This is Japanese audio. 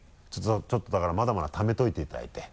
ちょっとだからまだまだためておいていただいて。